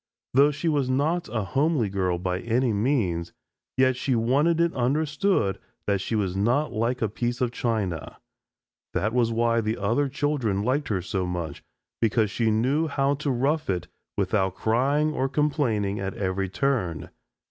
Though she was not a homely girl by any means, yet she wanted it understood that she was not like a piece of china. That was why the other children liked her so much because she knew how to rough it without crying or complaining at every turn.